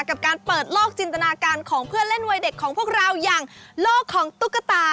กับการเปิดโลกจินตนาการของเพื่อนเล่นวัยเด็กของพวกเราอย่างโลกของตุ๊กตา